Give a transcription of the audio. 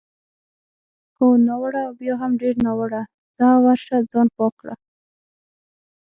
هو، ناوړه او بیا هم ډېر ناوړه، ځه ورشه ځان پاک کړه.